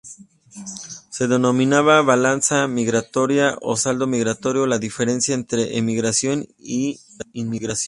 Se denomina balanza migratoria o saldo migratorio a la diferencia entre emigración e inmigración.